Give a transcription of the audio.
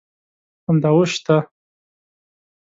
همدا اوس شته.